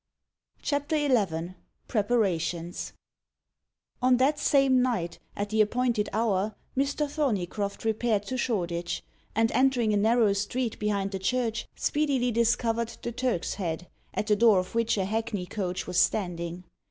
CHAPTER XI PREPARATIONS On that same night, at the appointed hour, Mr. Thorneycroft repaired to Shoreditch, and entering a narrow street behind the church, speedily discovered the Turk's Head, at the door of which a hackney coach was standing.